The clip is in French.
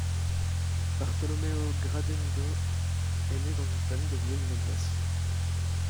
Bartolomeo Gradenigo est né dans une famille de vieille noblesse.